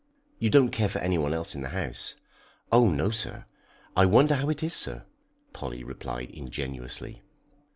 "You don't care for anyone else in the house?" "Oh no, sir. I wonder how it is, sir?" Polly replied ingenuously.